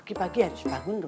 pagi pagi harus bangun dulu